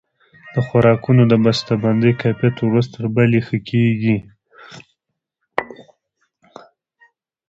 د خوراکونو د بسته بندۍ کیفیت ورځ تر بلې ښه کیږي.